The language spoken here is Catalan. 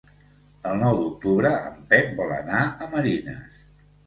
El nou d'octubre en Pep vol anar a Marines.